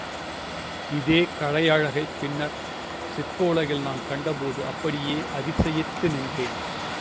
இதே கலையழகைப் பின்னர்ச் சிற்ப உலகில் நான் கண்ட போது அப்படியே அதிசயித்து நின்றேன்.